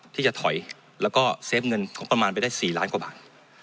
ที่จะถอยแล้วก็เซฟเงินของประมาณไปได้๔ล้านกว่าบาท